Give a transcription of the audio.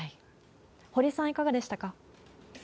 堀さん、いかがでしたか？